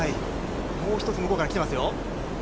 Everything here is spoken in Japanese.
もう一つ、向こうから来てますよ。